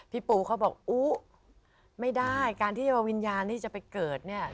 พี่ปูเขาบอกอุ๊ไม่ได้การที่ว่าวิญญาณที่จะไปเกิดเนี่ย